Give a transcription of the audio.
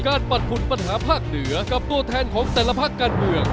ปัดผุดปัญหาภาคเหนือกับตัวแทนของแต่ละภาคการเมือง